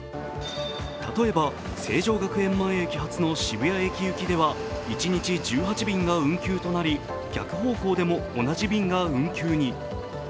例えば成城学園前駅発の渋谷駅行きでは一日１８便が運休となり逆方向でも同じ便が運休に。